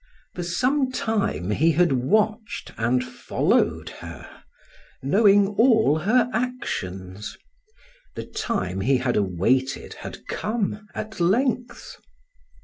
For some time he had watched and followed her, knowing all her actions. The time he had awaited had come at length.